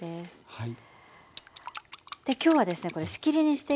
はい。